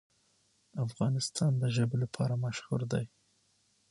افغانستان د ژبې لپاره مشهور دی.